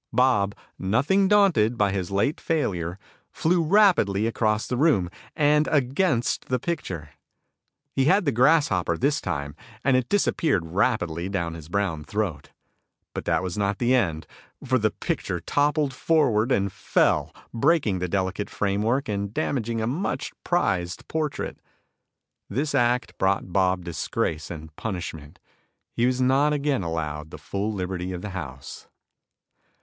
Bob, nothing daunted by his late failure, flew rapidly across the room, and against the picture. He had the grasshopper this time, and it disappeared rapidly down his brown throat; but that was not the end, for the picture toppled forward and fell, breaking the delicate frame work and damaging a much prized portrait. This act brought Bob disgrace and punishment. He was not again allowed the full liberty of the house.